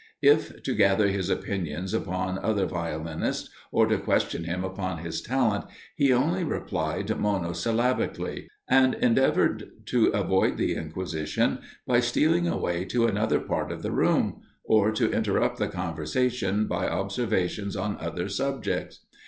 If to gather his opinions upon other violinists, or to question him upon his talent, he only replied monosyllabically, and endeavoured to avoid the inquisition by stealing away to another part of the room, or to interrupt the conversation by observations on other subjects.